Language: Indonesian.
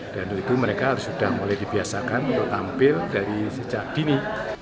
dan itu mereka harus sudah mulai dibiasakan untuk tampil dari sejak dini